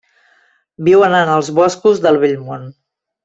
Viuen en els boscos del Vell Món.